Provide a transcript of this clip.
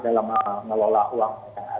dalam mengelola uang